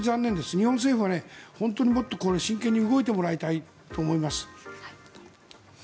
日本政府はもっと真剣に動いてもらいたいと思います。